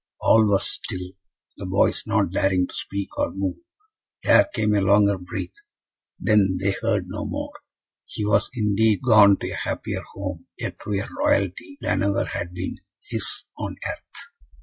All was still, the boys not daring to speak or move. There came a longer breath then they heard no more. He was, indeed, gone to a happier home a truer royalty than ever had been his on earth.